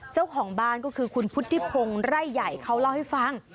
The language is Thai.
เจ้าของบ้านก็คือคุณพุทธิพงศ์ไร่ใหญ่เขาเล่าให้ฟัง